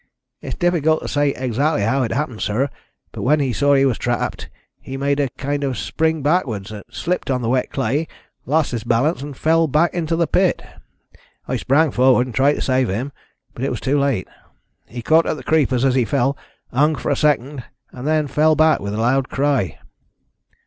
It is difficult to say exactly how it happened, sir, but when he saw he was trapped he made a kind of spring backwards, slipped on the wet clay, lost his balance, and fell back into the pit. I sprang forward and tried to save him, but it was too late. He caught at the creepers as he fell, hung for a second, then fell back with a loud cry."